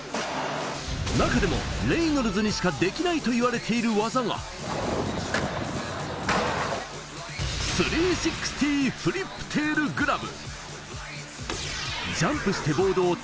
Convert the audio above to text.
中でもレイノルズにしかできないと言われている技が、３６０フリップテールグラブ。